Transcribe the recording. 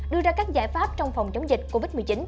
đưa ra các giải pháp trong phòng chống dịch covid một mươi chín